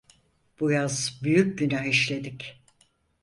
Bu yaz büyük günah işledik…